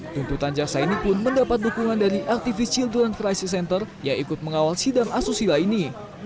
tuntutan jaksa ini pun mendapat dukungan dari aktivis childron crisis center yang ikut mengawal sidang asusila ini